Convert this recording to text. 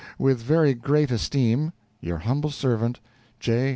With very great esteem, your humble servant, J.